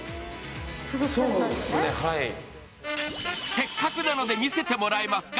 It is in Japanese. せっかくなので見せてもらえますか。